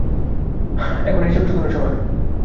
এখন হিসাব চুকানোর সময়।